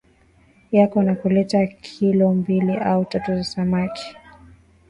yako na kuleta kilo mbili au tatu za samaki